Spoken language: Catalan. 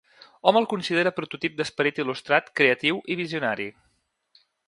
Hom el considera prototip d'esperit il·lustrat creatiu i visionari.